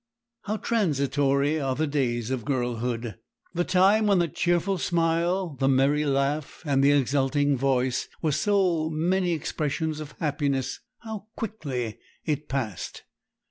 How transitory are the days of girlhood! The time when the cheerful smile, the merry laugh, and the exulting voice were so many expressions of happiness,—how quickly it passed!